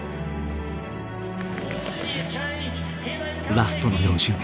ラストの４周目。